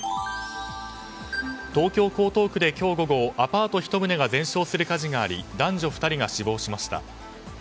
東京・江東区で今日午後アパート１棟が全焼する火事があり男女２人が死亡しました。